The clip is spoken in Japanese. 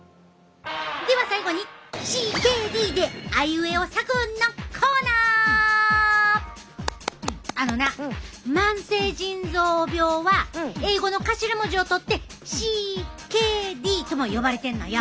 では最後にあのな慢性腎臓病は英語の頭文字を取ってＣＫＤとも呼ばれてんのよ。